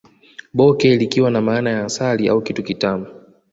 Bhoke likiwa na maana ya asali au kitu kitamu